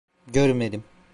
Görmedim.